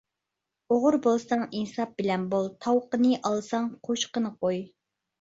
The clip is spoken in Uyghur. ئوغرى بولساڭ ئىنساپ بىلەن بول، تاۋىقىنى ئالساڭ قوشۇقىنى قوي.